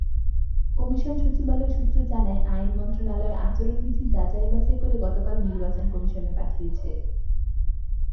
Commission সচিবালয় সূত্র জানায়, আইন মন্ত্রণালয় আচরণবিধি যাচাই-বাছাই করে গতকাল নির্বাচন কমিশনে পাঠিয়েছে।